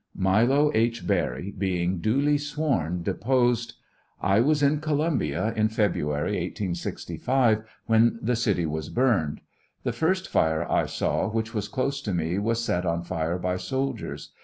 Milo H. Berry, being duly sworn, deposed : I was in Columbia in February, 1865, when the city was burned. The first fire I saw, which was close to me, was set on fire by soldiers.